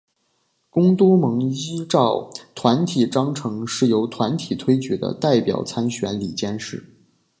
公督盟依照团体章程是由团体推举的代表参选理监事。